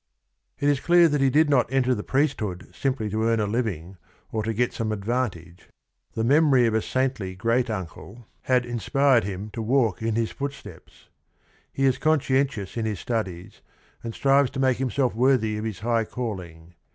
It is clear that he did not enter the priesthood simply to earn a living or to get some advantage. The memory of a saintly great uncle had inspired CAPONSACCHI 95 him to walk in his footsteps. He is conscientious in his studies, and strives to make himself worthy of his high calling.